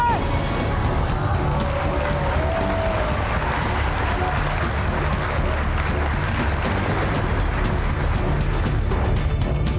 พี่ทำมันเองพี่ลงทุนไปเท่าไร